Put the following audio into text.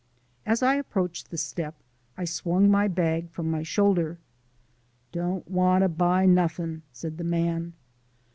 As I approached the step, I swung my bag from my shoulder. "Don't want to buy nothin'," said the man.